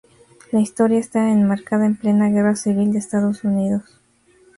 La historia está enmarcada en plena Guerra Civil de Estados Unidos.